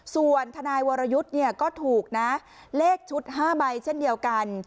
ส่วนทนายวรยุทธ์ก็ถูกนะเลขชุด๕ใบเช่นเดียวกัน